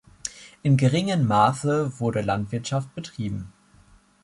In geringen Maße wurde Landwirtschaft betrieben.